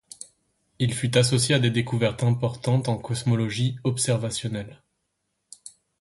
Il fut associé à des découvertes importantes en cosmologie observationnelle.